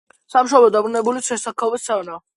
სამშობლოში დაბრუნებული მუშაობდა ქუთაისის გიმნაზიაში.